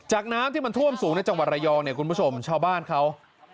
น้ำที่มันท่วมสูงในจังหวัดระยองเนี่ยคุณผู้ชมชาวบ้านเขา